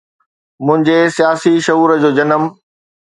منهنجي سياسي شعور جو جنم